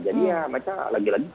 jadi ya mereka lagi lagi